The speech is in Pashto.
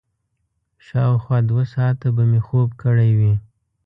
شاوخوا دوه ساعته به مې خوب کړی وي.